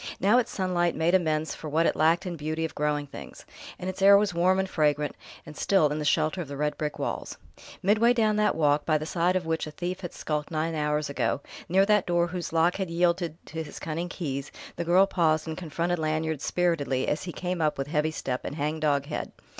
Now its sunlight made amends for what it lacked in beauty of growing things; and its air was warm and fragrant and still in the shelter of the red brick walls. Midway down that walk, by the side of which a thief had skulked nine hours ago, near that door whose lock had yielded to his cunning keys, the girl paused and confronted Lanyard spiritedly as he came up with heavy step and hang dog head.